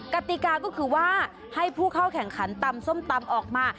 กติกาก็คือว่าให้ผู้เข้าแข่งขันตำส้มตำออกมา